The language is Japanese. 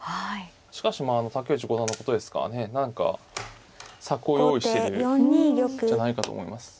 しかしまあ竹内五段のことですからね何か策を用意してるんじゃないかと思います。